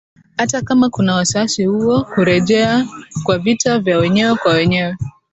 hata kama kuna wasiwasi huo wa kurejea kwa vita vya wenyewe kwa wenyewe